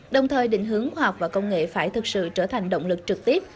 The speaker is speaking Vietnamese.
đồng thời định hướng khoa học và công nghệ phải thực sự trở thành động lực trực tiếp